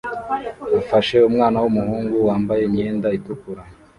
afashe umwana wumuhungu wambaye imyenda itukura